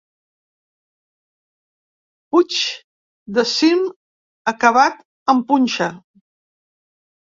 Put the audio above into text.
Puigs de cim acabat en punxa.